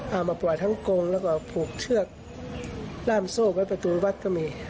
เอามาปล่อยทั้งกงแล้วก็ผูกเชือกล้ามโซ่ไว้ประตูวัดก็มี